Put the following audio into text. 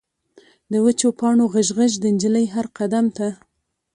د وچو پاڼو غژ، غژ، د نجلۍ هر قدم ته